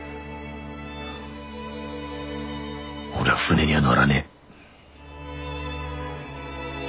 俺は船には乗らねえ。